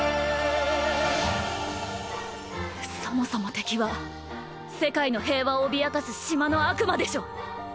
そもそも敵は世界の平和を脅かす島の悪魔でしょ？